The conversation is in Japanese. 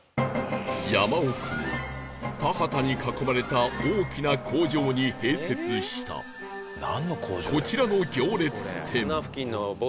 山奥の田畑に囲まれた大きな工場に併設したこちらの行列店